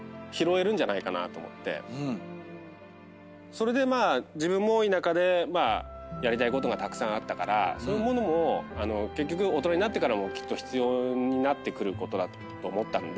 それで自分も田舎でやりたいことがあったからそういうものも結局大人になってからもきっと必要になってくることだと思ったんで。